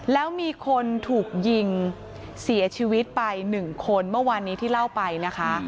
แล้วมีคนถูกยิงเสียชีวิตไป๑คนเมื่อวานนี้ที่เล่าไปนะคะ